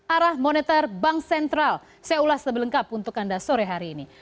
arah moneter bank sentral saya ulas lebih lengkap untuk anda sore hari ini